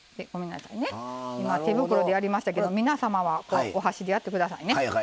手袋でやりましたけど皆様はお箸でやってくださいね。